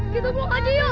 kita pulang aja yuk